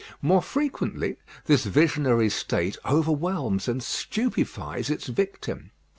More frequently this visionary state overwhelms and stupefies its victim.